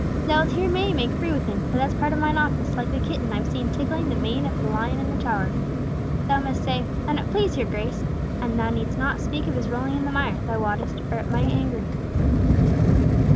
"Thou'lt hear me make free with him, but that's part of mine office, like the kitten I've seen tickling the mane of the lion in the Tower. Thou must say, 'An it please your Grace,' and thou needst not speak of his rolling in the mire, thou wottest, or it may anger him."